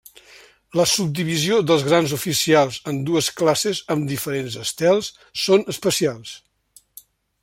La subdivisió dels grans oficials en dues classes amb diferents estels són especials.